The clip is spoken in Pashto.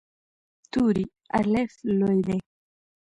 توری “الف” لوی دی.